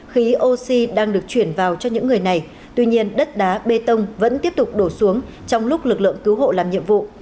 khí oxy đang được chuyển vào cho những người này tuy nhiên đất đá bê tông vẫn tiếp tục đổ xuống trong lúc lực lượng cứu hộ làm nhiệm vụ